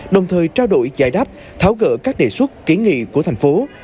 đồng thời trao đổi giải đáp tháo gỡ các đề xuất kiến nghị của thành phố